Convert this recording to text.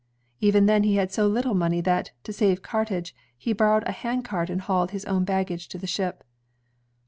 Even then he had so little money that, to save cartage, he borrowed a handcart and hauled his own baggage to the ship.